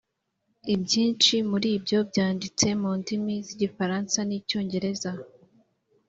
Ibyinshi muri byo byanditse mu ndimi z’igifaransa n’icyongereza.